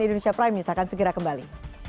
dan indonesia prime news akan segera kembali